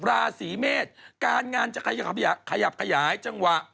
ราศีเมษการงานจะขยับขยายจังหวะ